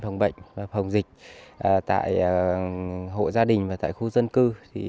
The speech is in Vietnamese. phòng bệnh phòng dịch tại hộ gia đình và tại khu dân cư